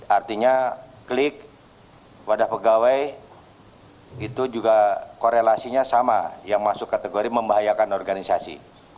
artinya klik wadah pegawai itu juga korelasinya sama yang masuk kategori membahayakan organisasi